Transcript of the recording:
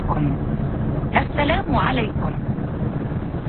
ليس السليم سليم أفعى حرة